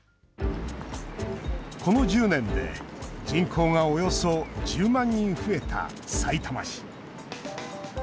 この１０年で人口がおよそ１０万人増えたさいたま市。